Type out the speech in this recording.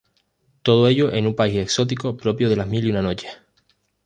Todo ello en un país exótico propio de Las mil y una noches.